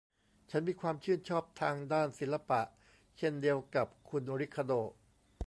ฉันมีความชื่นชอบทางด้านศิลปะเช่นเดียวกับคุณริคาร์โด้